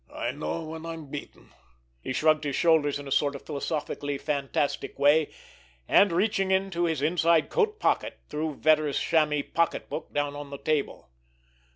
"I know when I'm beaten." He shrugged his shoulders in a sort of philosophically fatalistic way, and, reaching into his inside coat pocket, threw Vetter's chamois pocketbook down on the table.